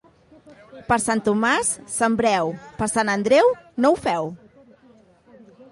Per Sant Tomàs, sembreu; per Sant Andreu, no ho feu.